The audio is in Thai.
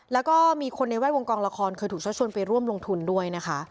แล้วก็มีคนในแวดวงกองละครเคยถูกชักชวนไปร่วมลงทุนด้วยนะคะ